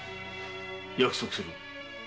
約束する。